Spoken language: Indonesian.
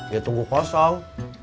ya tunggu kosong